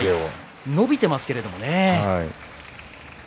伸びていますけどね。